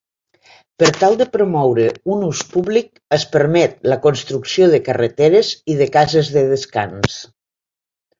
Per tal de promoure un ús públic, es permet la construcció de carreteres i de cases de descans.